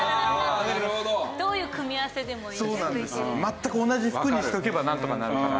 全く同じ服にしておけばなんとかなるかな。